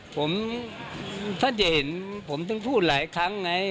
ผมถ้าจะเห็นผมถึงพูดหลายครั้งไง